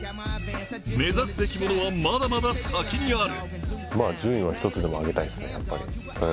目指すべきものはまだまだ先にある。